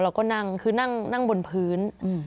เราก็นั่งคือนั่งบนพื้น